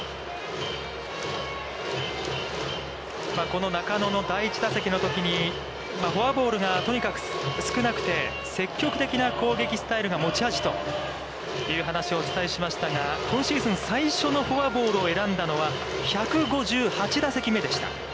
この中野の第１打席のときに、フォアボールがとにかく少なくて、積極的な攻撃スタイルが持ち味、という話をお伝えしましたが、今シーズン最初のフォアボールを選んだのは１５８打席目でした。